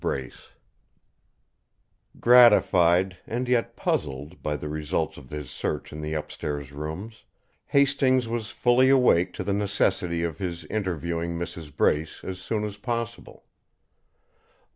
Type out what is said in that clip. BRACE Gratified, and yet puzzled, by the results of his search of the upstairs rooms, Hastings was fully awake to the necessity of his interviewing Mrs. Brace as soon as possible.